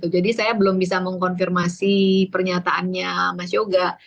jadi saya belum bisa mengkonfirmasi pernyataannya mas yogo